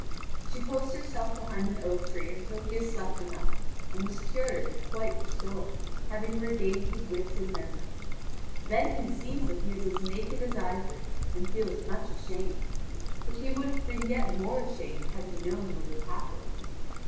She posts herself behind an oak tree until he had slept enough, and was cured and quite restored, having regained his wits and memory. Then he sees that he is as naked as ivory, and feels much ashamed; but he would have been yet more ashamed had he known what had happened.